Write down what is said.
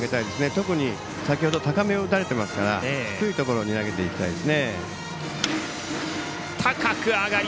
特に先ほど高めを打たれていますから低いところに投げていきたいです。